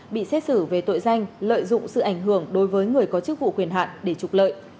bị xét xử về tội danh lợi dụng sự ảnh hưởng đối với người có chức vụ quyền hạn để trục lợi